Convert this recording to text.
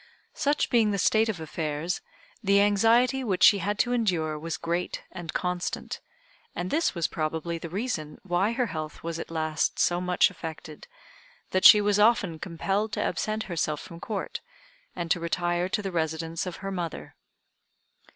Such being the state of affairs, the anxiety which she had to endure was great and constant, and this was probably the reason why her health was at last so much affected, that she was often compelled to absent herself from Court, and to retire to the residence of her mother.